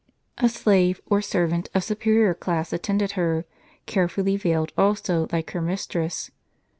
A slave, or servant, of superior class attended her, carefully veiled also, like her mistress.